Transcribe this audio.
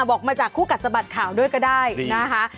บอกมาจากคู่กัดสะบัดข่าวด้วยก็ได้นะคะ